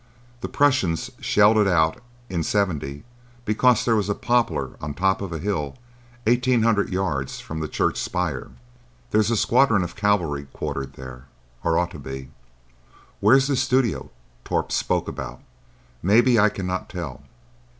The Prussians shelled it out in '70 because there was a poplar on the top of a hill eighteen hundred yards from the church spire There's a squadron of cavalry quartered there,—or ought to be. Where this studio Torp spoke about may be I cannot tell.